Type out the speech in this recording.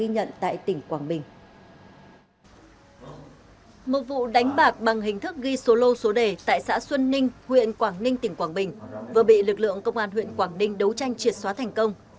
một vụ đánh bạc bằng hình thức ghi số lô số đề tại xã xuân ninh huyện quảng ninh tỉnh quảng bình vừa bị lực lượng công an huyện quảng ninh đấu tranh triệt xóa thành công